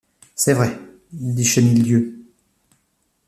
C’est vrai, dit Chenildieu.